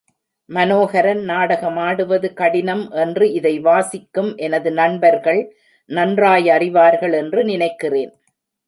மனோஹரன் நாடகமாடுவது கடினம் என்று இதை வாசிக்கும் எனது நண்பர்கள் நன்றாயறிவார்கள் என்று நினைக்கிறேன்.